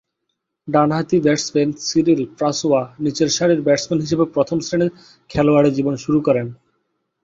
ডানহাতি batsman Cyril Francois নিচেরসারির batsman হিসেবে প্রথম-শ্রেণীর খেলোয়াড়ী জীবন শুরু করেন।